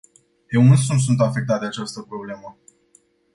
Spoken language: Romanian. Eu însumi sunt afectat de această problemă.